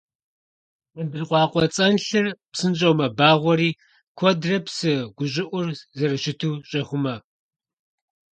ХьэндыркъуакъуэцӀэнлъыр псынщӀэу мэбагъуэри куэдрэ псы гущӀыӀур зэрыщыту щӀехъумэ.